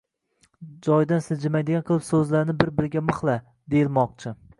joyidan siljimaydigan qilib so‘zlarni bir-biriga mixla, deyilmoqchi.